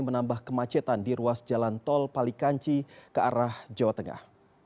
menambah kemacetan di ruas jalan tol palikanci ke arah jawa tengah